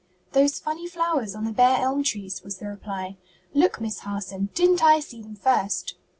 "Those funny flowers on the bare elm trees," was the reply. "Look, Miss Harson! Didn't I see them first?"